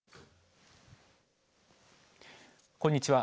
こんにちは。